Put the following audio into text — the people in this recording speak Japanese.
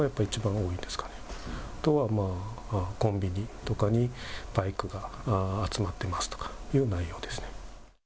あとはコンビニとかにバイクが集まってますとかいう内容ですね。